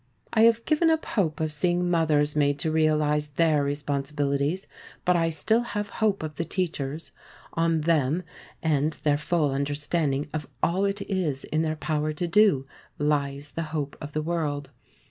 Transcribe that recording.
I have given up hope of seeing mothers made to realize their responsibilities. But I still have hope of the teachers. On them and their full understanding of all it is in their power to do, lies the hope of the world.